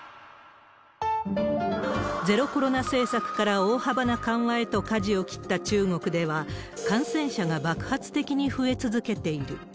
ゼロコロナ政策から大幅な緩和へとかじを切った中国では、感染者が爆発的に増え続けている。